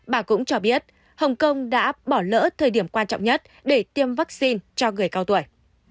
bà cũng cho biết hồng kông đã bỏ lỡ thời điểm quan trọng nhất để tiêm vaccine cho người cao tuổi